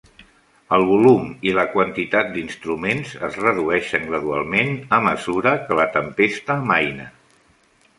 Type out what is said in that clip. El volum i la quantitat d"instruments es redueixen gradualment a mesura que la tempesta amaina.